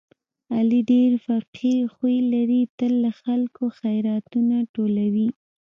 علي ډېر فقیر خوی لري، تل له خلکو خیراتونه ټولوي.